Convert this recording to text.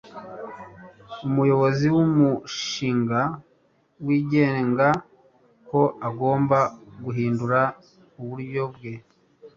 umuyobozi w'umushinga wigenga ko agomba guhindura uburyo bwe